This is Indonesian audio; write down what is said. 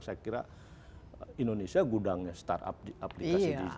saya kira indonesia gudangnya startup aplikasi digital di asia